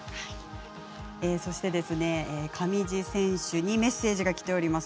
そして、上地選手にメッセージがきています。